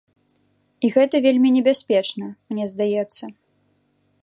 І гэта вельмі небяспечна, мне здаецца.